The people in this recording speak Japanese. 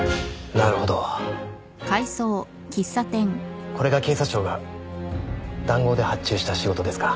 なるほどこれが警察庁が談合で発注した仕事ですか？